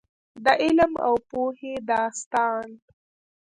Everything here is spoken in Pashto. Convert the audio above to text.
د علم او پوهې داستان.